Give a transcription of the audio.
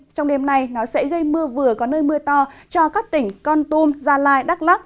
trong đêm nay nó sẽ gây mưa vừa có nơi mưa to cho các tỉnh con tum gia lai đắk lắc